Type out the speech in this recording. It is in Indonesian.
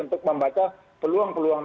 untuk membaca peluang peluang